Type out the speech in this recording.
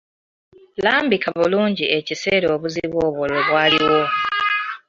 Lambika bulungi ekiseera obuzibu obwo lwe bwaliwo.